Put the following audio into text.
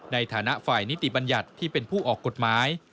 ในฐานะฝ่ายนิติบัญญัติที่เป็นผู้ออกกฎหมาย